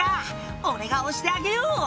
俺が押してあげよう！」